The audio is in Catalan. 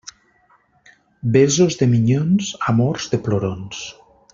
Besos de minyons, amors de plorons.